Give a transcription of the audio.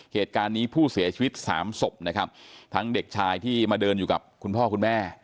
เหตุการณ์นี้ผู้เสียชีวิตสามศพนะครับทั้งเด็กชายที่มาเดินอยู่กับคุณพ่อคุณแม่